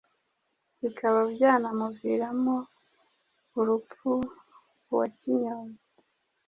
bikaba byanamuviramo urupfu. uwakinyoye